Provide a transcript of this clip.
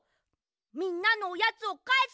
みんなのおやつをかえすんだ！